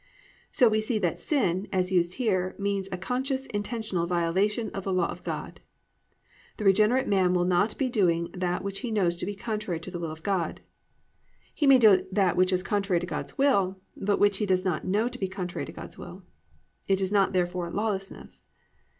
So we see that _sin, as used here, means, a conscious intentional violation of the law of God. The regenerate man will not be doing that which he knows to be contrary to the will of God._ He may do that which is contrary to God's will, but which he does not know to be contrary to God's will. It is not therefore "lawlessness."